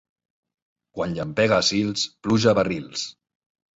Quan llampega a Sils pluja a barrils.